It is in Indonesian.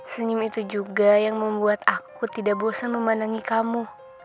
senyum itu juga yang membuat aku tidak bosan memandangi kamu